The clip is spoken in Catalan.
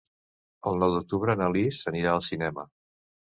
El nou d'octubre na Lis anirà al cinema.